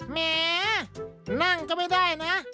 แหมนั่งก็ไม่ได้นะ